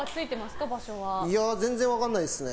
全然分からないですね。